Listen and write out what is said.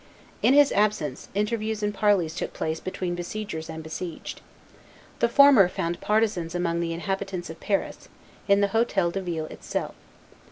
In his absence, interviews and parleys took place between besiegers and besieged. The former, found partisans amongst the inhabitants of Paris, in the Hotel de Ville itself.